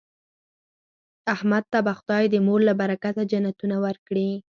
احمد ته به خدای د مور له برکته جنتونه ورکړي.